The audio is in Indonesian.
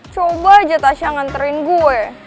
coba aja tasha nganterin gue